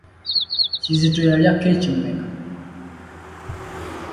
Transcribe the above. Kizito yalya keeki mmeka?